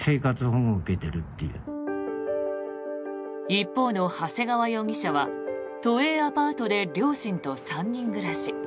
一方の長谷川容疑者は都営アパートで両親と３人暮らし。